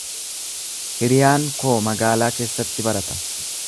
Hiriyaan koo magaalaa keessatti barata.